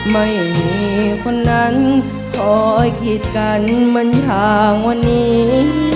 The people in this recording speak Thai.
ไม่มีคนนั้นคอยคิดกันมันห่างวันนี้